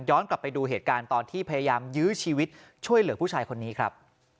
กลับไปดูเหตุการณ์ตอนที่พยายามยื้อชีวิตช่วยเหลือผู้ชายคนนี้ครับ